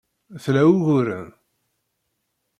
Tla uguren?